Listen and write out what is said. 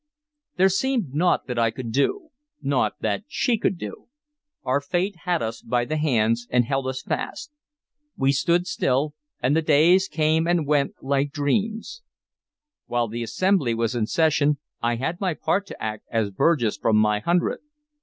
There seemed naught that I could do, naught that she could do. Our Fate had us by the hands, and held us fast. We stood still, and the days came and went like dreams. While the Assembly was in session I had my part to act as Burgess from my hundred.